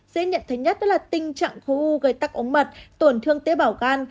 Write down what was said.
dễ nhận thấy nhất là tình trạng khô u gây tắc ống mật tổn thương tế bảo gan